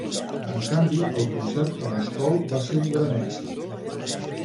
En canvi el concert a Moscou va ser un gran èxit.